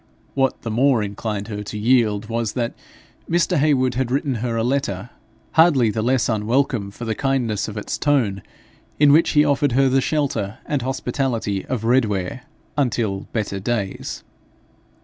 What the more inclined her to yield was, that Mr. Heywood had written her a letter, hardly the less unwelcome for the kindness of its tone, in which he offered her the shelter and hospitality of Redware 'until better days.'